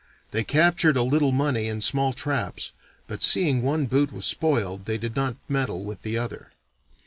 They captured a little money and small traps, but seeing one boot was spoiled they did not meddle with the other.